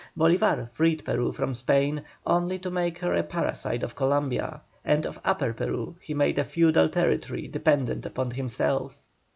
Bolívar freed Peru from Spain, only to make her a parasite of Columbia, and of Upper Peru he made a feudal territory dependent upon himself.